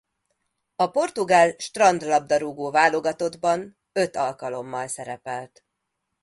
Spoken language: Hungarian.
A portugál strandlabdarúgó-válogatottban öt alkalommal szerepelt.